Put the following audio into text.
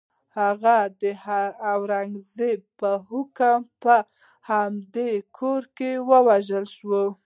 هغه د اورنګزېب په حکم په همدې کور کې ووژل شو.